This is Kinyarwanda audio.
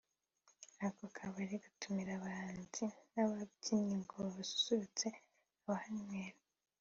ako kabari gatumira abahanzi n’ababyinnyi ngo basusurutse abahanywera